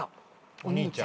お兄ちゃん？